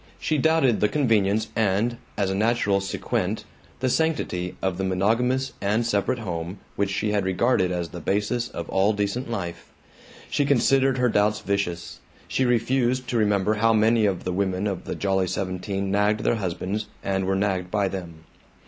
She doubted the convenience and, as a natural sequent, the sanctity of the monogamous and separate home which she had regarded as the basis of all decent life. She considered her doubts vicious. She refused to remember how many of the women of the Jolly Seventeen nagged their husbands and were nagged by them.